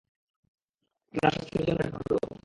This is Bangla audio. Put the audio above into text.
আপনার স্বাস্থ্যের জন্য এটা ভালো।